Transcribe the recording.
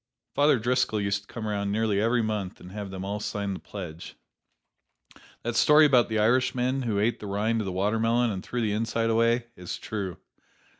Father Driscoll used to come around nearly every month and have them all sign the pledge. That story about the Irishman who ate the rind of the watermelon "and threw the inside away," is true.